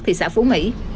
thị xã phú mỹ